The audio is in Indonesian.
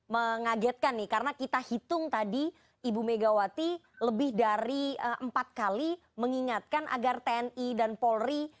mengagetkan nih karena kita hitung tadi ibu megawati lebih dari empat kali mengingatkan agar tni dan polri